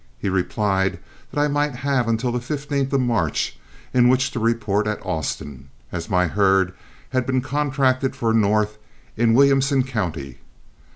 He replied that I might have until the 15th of March in which to report at Austin, as my herd had been contracted for north in Williamson County.